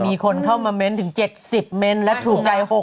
มีคนเข้ามาเม้นต์ถึง๗๐เม้นต์และถูกใจ๖๐